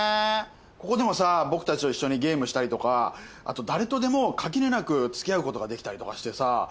ここでもさ僕たちと一緒にゲームしたりとかあと誰とでも垣根なく付き合うことができたりとかしてさ。